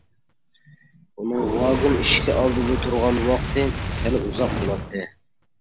ئۇنىڭ ۋاگون ئىشىكى ئالدىدا تۇرغان ۋاقتى خېلى ئۇزاق بولاتتى.